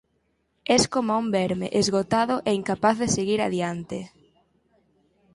Es coma un verme, esgotado e incapaz de seguir adiante.